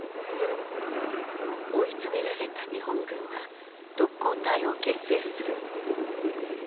追い詰められた日本軍は特攻隊を結成する。